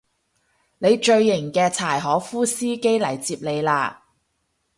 你最型嘅柴可夫司機嚟接你喇